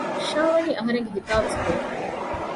ޝާވަނީ އަހަރެންގެ ހިތާއިވެސް ކުޅެފަ